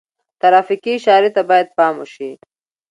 ترافیکي اشارې ته باید پام وشي.